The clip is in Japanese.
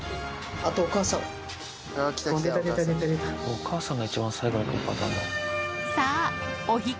お母さんが一番最後に来るパターンも。